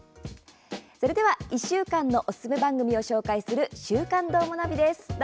それでは１週間のおすすめ番組を紹介する「週刊どーもナビ」です。